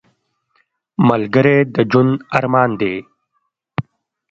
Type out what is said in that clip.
ملګری د ژوند ارمان دی